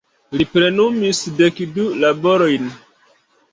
Li plenumis dekdu laborojn.